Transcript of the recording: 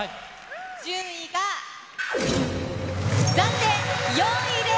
順位が暫定４位です。